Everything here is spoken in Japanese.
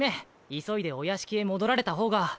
急いでお屋敷へ戻られた方が。